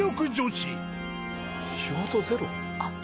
あっ